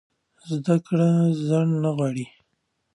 زده کړه ځنډ نه غواړي.